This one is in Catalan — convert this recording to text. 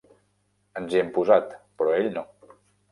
Ens hi hem posat, però ell no.